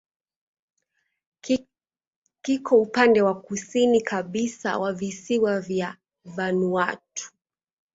Kiko upande wa kusini kabisa wa visiwa vya Vanuatu.